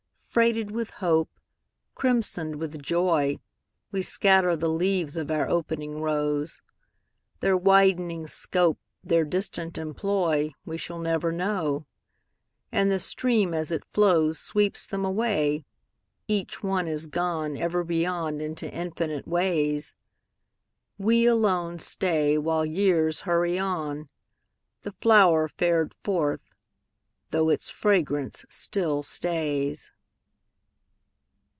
Freighted with hope, Crimsoned with joy, We scatter the leaves of our opening rose; Their widening scope, Their distant employ, We never shall know. And the stream as it flows Sweeps them away, Each one is gone Ever beyond into infinite ways. We alone stay While years hurry on, The flower fared forth, though its fragrance still stays.